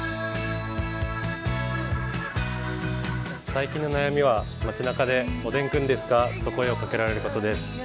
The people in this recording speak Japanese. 最近の悩みは街中で、おでんくんですか？と声をかけられることです。